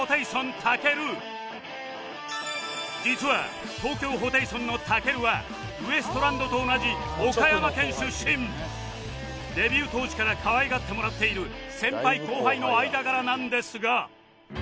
実は東京ホテイソンのたけるはデビュー当時からかわいがってもらっている先輩後輩の間柄なんですが